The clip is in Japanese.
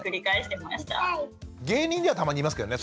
芸人ではたまにいますけどね。